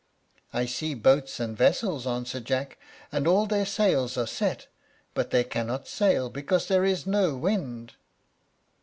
"I see boats and vessels," answered Jack, "and all their sails are set, but they cannot sail, because there is no wind."